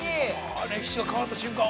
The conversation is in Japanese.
歴史が変わった瞬間。